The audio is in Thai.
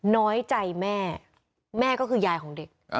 น้อยใจแม่แม่ก็คือยายของเด็ก